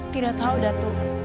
tidak tahu dato